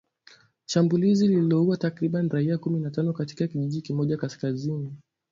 shambulizi lililoua takribani raia kumi na tano katika kijiji kimoja kaskazini